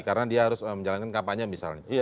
karena dia harus menjalankan kampanye misalnya